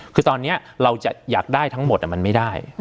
คือตอนนี้เราจะอยากได้ทั้งหมดมันไม่ได้